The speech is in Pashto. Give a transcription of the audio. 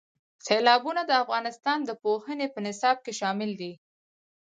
سیلابونه د افغانستان د پوهنې په نصاب کې شامل دي.